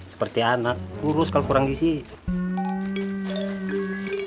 seperti anak kurus kalau kurang diisiin